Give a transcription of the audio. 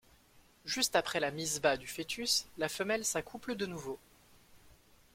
Juste après la mise bas du fœtus la femelle s'accouple de nouveau.